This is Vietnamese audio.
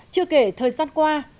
chưa kể thời gian qua